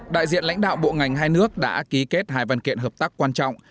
đại diện lãnh đạo bộ ngành hai nước đã ký kết hai văn kiện hợp tác quan trọng